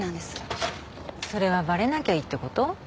それはバレなきゃいいってこと？